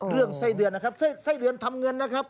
เรื่องไส้เดือนนะครับไส้เดือนทำเงินนะครับ